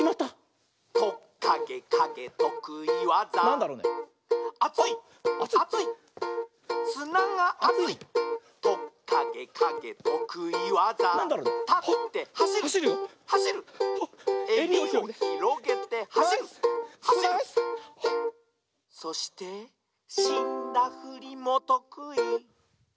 「トッカゲカゲとくいわざ」「アツいっアツいっすながあつい」「トッカゲカゲとくいわざ」「たってはしるはしる」「えりをひろげてはしるはしる」「そしてしんだふりもとくい」